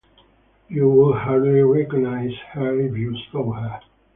You would hardly recognize her if you saw her.